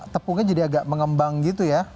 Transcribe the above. tepungnya jadi agak mengembang gitu ya